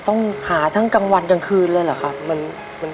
ต้องหาทั้งกลางวันกลางคืนเลยเหรอครับ